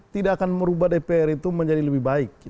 tidak akan merubah dpr itu menjadi lebih baik